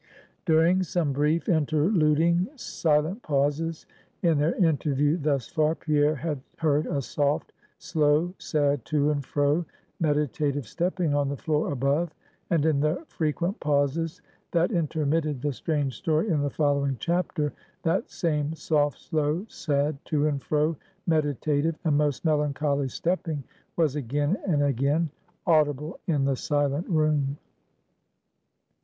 During some brief, interluding, silent pauses in their interview thus far, Pierre had heard a soft, slow, sad, to and fro, meditative stepping on the floor above; and in the frequent pauses that intermitted the strange story in the following chapter, that same soft, slow, sad, to and fro, meditative, and most melancholy stepping, was again and again audible in the silent room.